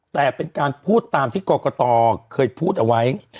แต่เป็นการพูดตามที่กรกตเคยพูดเอาไว้